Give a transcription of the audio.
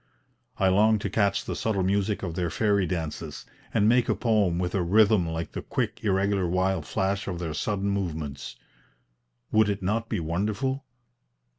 I long to catch the subtle music of their fairy dances and make a poem with a rhythm like the quick irregular wild flash of their sudden movements. Would it not be wonderful?